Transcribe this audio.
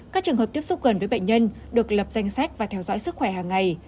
các trường hợp tiếp xúc gần với bệnh nhân được lập danh sách và theo dõi sức khỏe hàng ngày